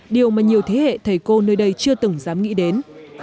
điều mà nhiều thế hệ thầy cô nơi đây chưa từng dám nghĩ đến